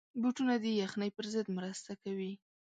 بوټونه د یخنۍ پر ضد مرسته کوي.